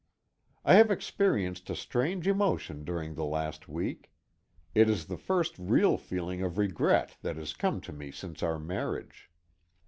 I have experienced a strange emotion during the last week. It is the first real feeling of regret that has come to me since our marriage.